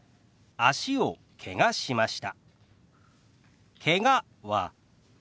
「脚をけがしました」。